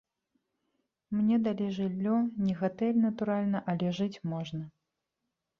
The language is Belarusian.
Мне далі жыллё, не гатэль, натуральна, але жыць можна.